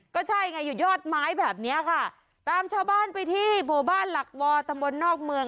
ก็ใช่ไงอยู่ยอดไม้แบบเนี้ยค่ะตามชาวบ้านไปที่หมู่บ้านหลักวอตำบลนอกเมือง